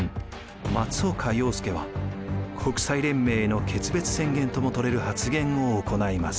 松岡洋右は国際連盟への決別宣言とも取れる発言を行います。